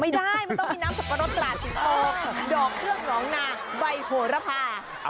ไม่ได้มันต้องมีน้ำสับปะรดตราดสีทองดอกเครื่องหนองนาใบโหระพา